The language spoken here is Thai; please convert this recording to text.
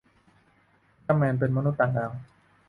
อุลตร้าแมน เป็นมนุษย์ต่างดาว